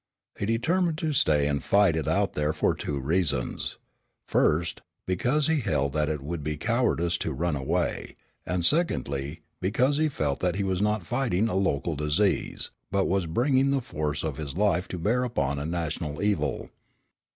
He determined to stay and fight it out there for two reasons. First, because he held that it would be cowardice to run away, and secondly, because he felt that he was not fighting a local disease, but was bringing the force of his life to bear upon a national evil.